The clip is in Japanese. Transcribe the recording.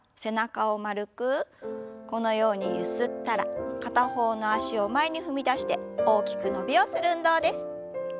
このようにゆすったら片方の脚を前に踏み出して大きく伸びをする運動です。